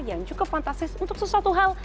yang cukup fantastis untuk sesuatu hal